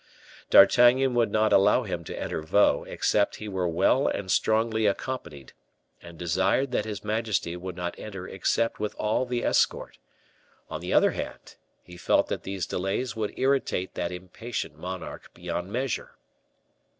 D'Artagnan would not allow him to enter Vaux except he were well and strongly accompanied; and desired that his majesty would not enter except with all the escort. On the other hand, he felt that these delays would irritate that impatient monarch beyond measure.